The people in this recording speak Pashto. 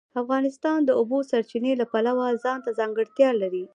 افغانستان د د اوبو سرچینې د پلوه ځانته ځانګړتیا لري.